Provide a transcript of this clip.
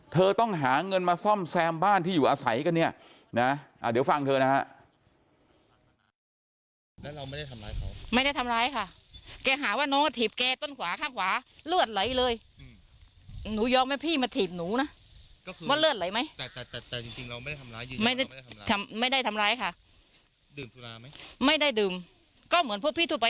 เธอต้องหาเงินมาซ่อมแซมบ้านที่อยู่อาศัยกันเนี่ยนะเดี๋ยวฟังเธอนะฮะ